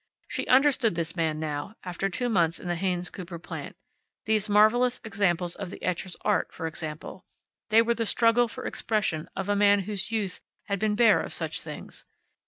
She understood this man now, after two months in the Haynes Cooper plant. These marvelous examples of the etcher's art, for example. They were the struggle for expression of a man whose youth had been bare of such things.